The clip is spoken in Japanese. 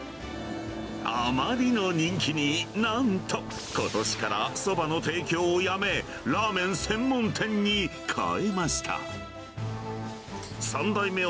あまりの人気に、なんと、ことしからそばの提供をやめ、ラーメン専門店に変えました。